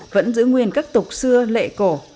vẫn giữ nguyên các tục xưa lệ cổ